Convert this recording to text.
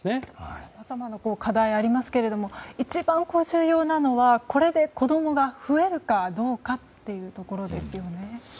さまざまな課題がありますが一番重要なのはこれで子供が増えるかどうかというところですね。